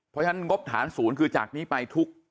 เพราะฉะนั้นงบฐานศูนย์คือจากนี้ไปทุก